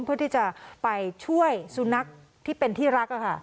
เพื่อที่จะไปช่วยสุนัขที่เป็นที่รัก